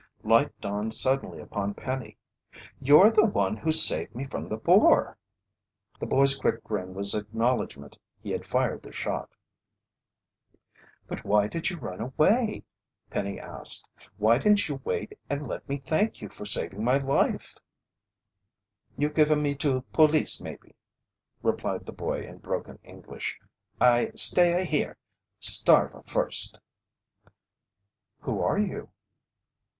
Light dawned suddenly upon Penny. "You're the one who saved me from the boar!" The boy's quick grin was acknowledgment he had fired the shot. "But why did you run away?" Penny asked. "Why didn't you wait and let me thank you for saving my life?" "You giva me to police maybe," replied the boy in broken English. "I staya here starva first!" "Who are you?"